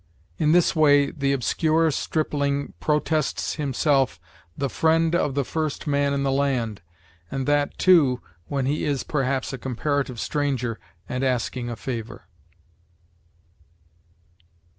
In this way the obscure stripling protests himself the FRIEND of the first man in the land, and that, too, when he is, perhaps, a comparative stranger and asking a favor.